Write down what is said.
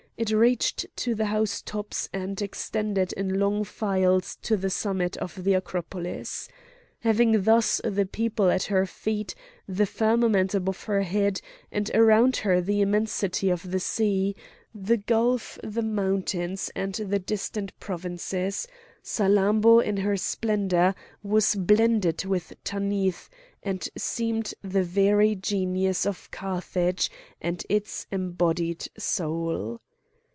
It reached to the house tops, and extended in long files to the summit of the Acropolis. Having thus the people at her feet, the firmament above her head, and around her the immensity of the sea, the gulf, the mountains, and the distant provinces, Salammbô in her splendour was blended with Tanith, and seemed the very genius of Carthage, and its embodied soul.